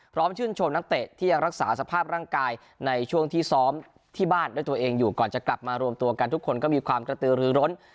ชื่นชมนักเตะที่ยังรักษาสภาพร่างกายในช่วงที่ซ้อมที่บ้านด้วยตัวเองอยู่ก่อนจะกลับมารวมตัวกันทุกคนก็มีความกระตือรือร้น